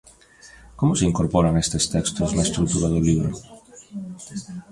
Como se incorporan estes textos na estrutura do libro?